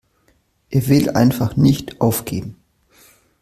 Er will einfach nicht aufgeben.